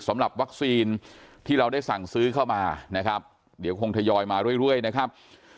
สำหรับวัคซีนที่เราได้สั่งซื้อเข้ามานะครับเดี๋ยวคงทยอยมาเรื่อยนะครับ